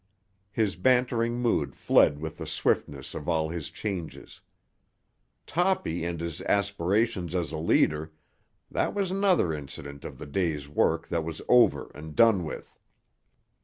His bantering mood fled with the swiftness of all his changes. Toppy and his aspirations as a leader—that was another incident of the day's work that was over and done with.